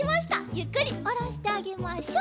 ゆっくりおろしてあげましょう。